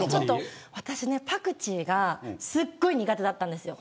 私ね、パクチーがすっごい苦手だったんです。